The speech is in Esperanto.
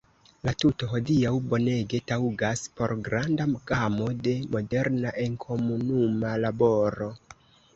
La tuto hodiaŭ bonege taŭgas por granda gamo da moderna enkomunuma laboro.